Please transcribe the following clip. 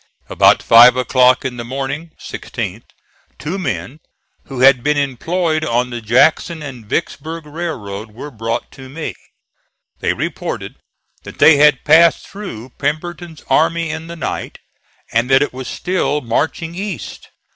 About five o'clock in the morning (16th) two men, who had been employed on the Jackson and Vicksburg railroad, were brought to me. They reported that they had passed through Pemberton's army in the night, and that it was still marching east.